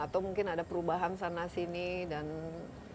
atau mungkin ada perubahan sana sini dan so far